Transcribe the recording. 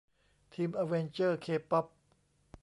ทีมอเวนเจอร์เคป๊อป